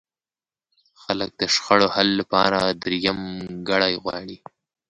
خلک د شخړو حل لپاره درېیمګړی غواړي.